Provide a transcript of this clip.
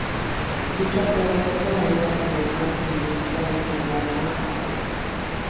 Dicha prueba fue promovida por la entonces Ministra de Sanidad Ana Pastor.